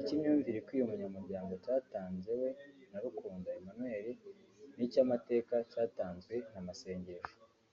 icy’ imyumvire ikwiye umunyamuryango cyatanzewe na Rukundo Emmanuel n’ icy’ amateka cyatanzwe na Masengesho